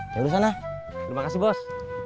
terima kasih bos